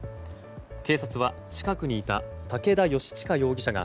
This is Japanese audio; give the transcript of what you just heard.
警察は、近くにいた武田義智加容疑者が